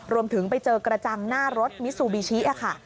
รวมถึงไปเจอกระจังหน้ารถมิซูบิชิค่ะ